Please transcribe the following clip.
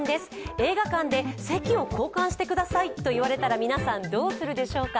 映画館で席を交換してくださいと言われたら、皆さんどうするでしょうか？